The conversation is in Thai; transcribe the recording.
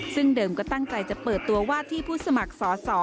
ซึ่งเดิมก็ตั้งใจจะเปิดตัวว่าที่ผู้สมัครสอสอ